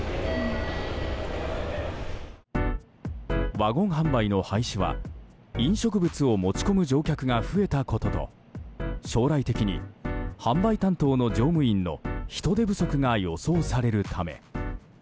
ワゴン販売の廃止は、飲食物を持ち込む乗客が増えたことと将来的に販売担当の乗務員の人手不足が予想されるため。